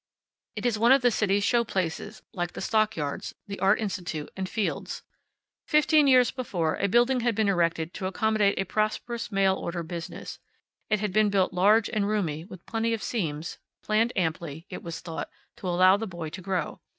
It is one of the city's show places, like the stockyards, the Art Institute, and Field's. Fifteen years before, a building had been erected to accommodate a prosperous mail order business. It had been built large and roomy, with plenty of seams, planned amply, it was thought, to allow the boy to grow.